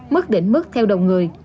mức đỉnh mức theo đồng người